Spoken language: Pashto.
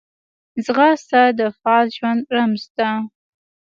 ځغاسته د فعال ژوند رمز ده